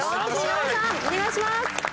お願いいたします。